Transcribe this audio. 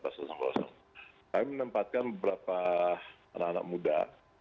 kami menempatkan beberapa anak anak muda